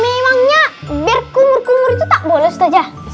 memangnya biar kumur kumur itu tak boleh setuju